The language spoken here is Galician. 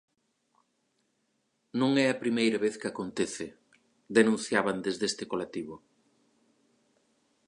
Non é a primeira vez que acontece, denunciaban desde este colectivo.